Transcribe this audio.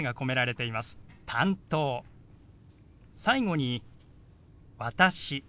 最後に「私」。